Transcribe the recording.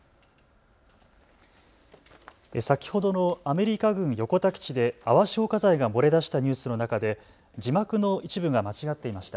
先ほどのアメリカ軍横田基地で泡消火剤が漏れ出したニュースの中で字幕の一部が間違っていました。